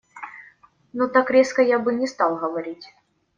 Ну, так резко я бы не стал говорить.